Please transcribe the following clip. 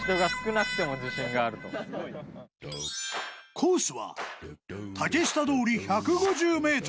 ［コースは竹下通り１５０ｍ］